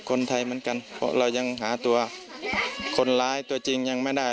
คนไทยเหมือนกันเพราะเรายังหาตัวคนร้ายตัวจริงยังไม่ได้